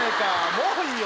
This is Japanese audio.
もういいよ！